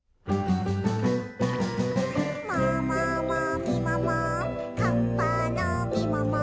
「もももみもも」「カッパのみもも」